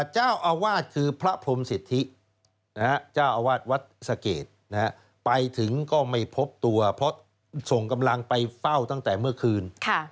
เจ้าอาวาสคือพระพรมสิทธิเจ้าอาวาสวัดสะเกดไปถึงก็ไม่พบตัวเพราะส่งกำลังไปเฝ้าตั้งแต่เมื่อคืน